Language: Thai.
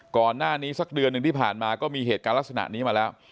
ก่อนหน้านี้สักเดือนหนึ่งที่ผ่านมาก็มีเหตุการณ์ลักษณะนี้มาแล้ว